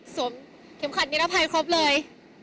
เข็มขัดนิรภัยครบเลย